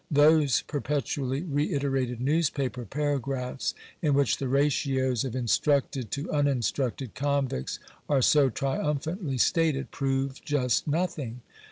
Those perpetually re iterated newspaper paragraphs, in which the ratios of instructed to uninstructed convicts are so triumphantly stated, prove just nothing.